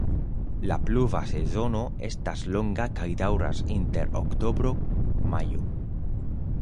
La pluva sezono estas longa kaj daŭras inter oktobro-majo.